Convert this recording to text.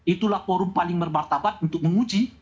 itulah forum paling bermartabat untuk menguji